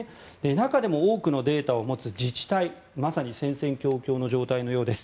中でも多くのデータを持つ自治体まさに戦々恐々の状態のようです。